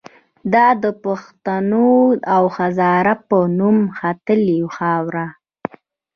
دا د پښتون او هزاره په نوم ختلې خاوره